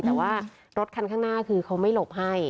แต่ว่ารถคันข้างหน้าคือเขาไม่หลบให้